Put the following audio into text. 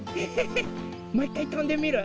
もういっかいとんでみる？